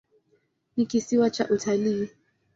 Ni kisiwa cha utalii.